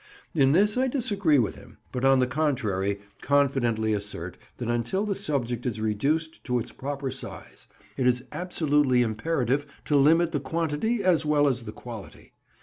In this I disagree with him, but on the contrary confidently assert that until the subject is reduced to its proper size, it is absolutely imperative to limit the quantity as well as the quality.